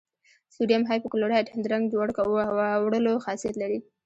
سوډیم هایپو کلورایټ د رنګ وړلو خاصیت لري.